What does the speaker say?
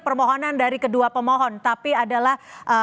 permohonan dari kedua pemohon tapi adalah